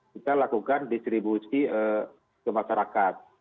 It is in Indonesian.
kita lakukan distribusi ke masyarakat